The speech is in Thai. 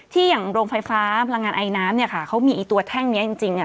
อย่างโรงไฟฟ้าพลังงานไอน้ำเนี่ยค่ะเขามีตัวแท่งเนี้ยจริงจริงอ่ะ